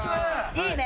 いいね！